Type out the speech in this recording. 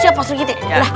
siap pak sergiti